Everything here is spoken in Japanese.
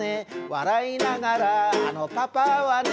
「笑いながらあのパパはね」